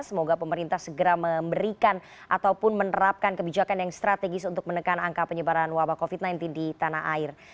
semoga pemerintah segera memberikan ataupun menerapkan kebijakan yang strategis untuk menekan angka penyebaran wabah covid sembilan belas di tanah air